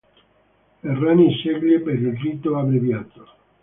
Errani sceglie però il rito abbreviato.